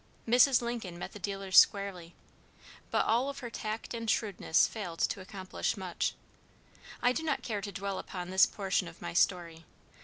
Mrs. Lincoln met the dealers squarely, but all of her tact and shrewdness failed to accomplish much. I do not care to dwell upon this portion of my story.